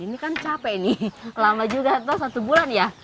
ini kan capek nih lama juga atau satu bulan ya